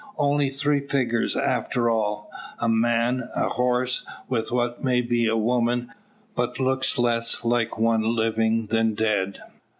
Only three figures after all! A man, a horse, with what may be woman, but looks less like one living than dead!